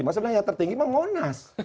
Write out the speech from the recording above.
maksudnya yang tertinggi memang ngonas